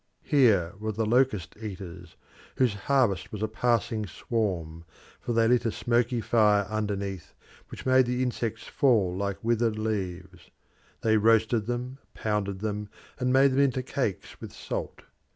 Here were the locust eaters, whose harvest was a passing swarm, for they lit a smoky fire underneath, which made the insects fall like withered leaves; they roasted them, pounded them, and made them into cakes with salt.